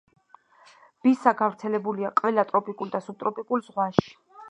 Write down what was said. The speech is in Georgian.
ბისა გავრცელებულია ყველა ტროპიკულ და სუბტროპიკულ ზღვაში.